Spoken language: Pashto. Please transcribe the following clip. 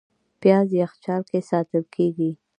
پیاز یخچال کې ساتل کېږي